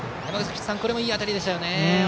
これもいい当たりでしたね。